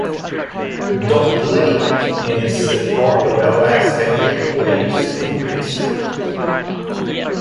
Dot Lake is part of the Alaska Gateway School District.